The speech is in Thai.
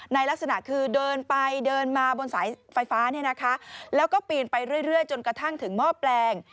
ลักษณะคือเดินไปเดินมาบนสายไฟฟ้าเนี่ยนะคะแล้วก็ปีนไปเรื่อยจนกระทั่งถึงหม้อแปลง